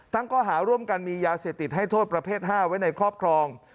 ข้อหาร่วมกันมียาเสพติดให้โทษประเภท๕ไว้ในครอบครอง